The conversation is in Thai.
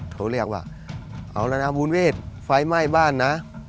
โทรเรียกว่าเอาแล้วนะมูลเวทไฟไหม้บ้านนะ